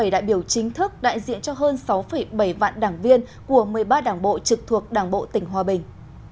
ba trăm bốn mươi bảy đại biểu chính thức đại diện cho hơn sáu bảy vạn đảng viên của một mươi ba đảng bộ trực thuộc đảng bộ tỉnh hòa bình